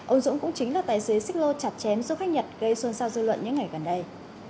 ông dũng cũng chính là tài xế xích lô chặt chém du khách nhật gây xôn xao dư luận những ngày gần đây